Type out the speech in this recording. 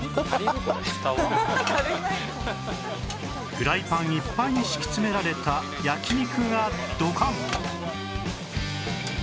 フライパンいっぱいに敷き詰められた焼き肉がドカン